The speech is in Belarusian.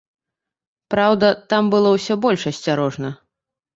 Праўда, там было ўсё больш асцярожна.